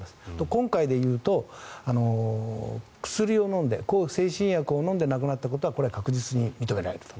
今回で言うと薬を飲んで、向精神薬を飲んで亡くなったことは確実に認められると。